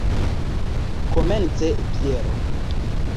Komence biero.